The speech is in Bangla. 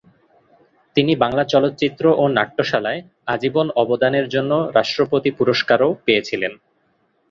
তিনি বাংলা চলচ্চিত্র ও নাট্যশালায় আজীবন অবদানের জন্য রাষ্ট্রপতি পুরস্কারও পেয়েছিলেন।